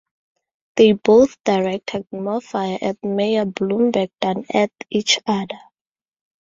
They both directed more fire at Mayor Bloomberg than at each other.